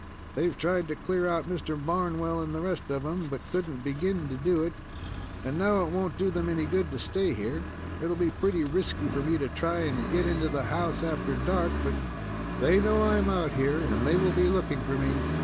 "They've tried to clear out Mr. Barnwell and the rest of them, but could n't begin to do it, and now it won't do them any good to stay here. It'll be pretty risky for me to try and get into the house after dark, but they know I am out here and they will be looking for me.